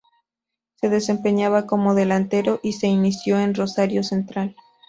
Se desempeñaba como delantero y se inició en Rosario Central.